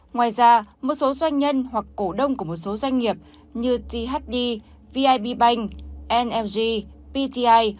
ngoài ra một số doanh nhân hoặc cổ đông của một số doanh nghiệp như thd vib bank nlg pti